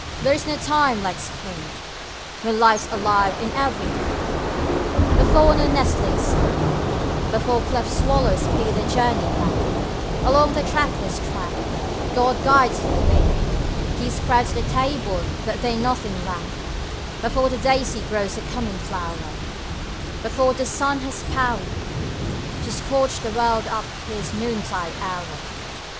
There is no time like Spring, When life's alive in everything, 20 Before new nestlings sing, Before cleft swallows speed their journey back Along the trackless track God guides their wing, He spreads their table that they nothing lack, Before the daisy grows a common flower, Before the sun has power To scorch the world up in his noontide hour.